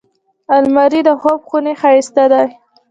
الماري د خوب خونې ښايست دی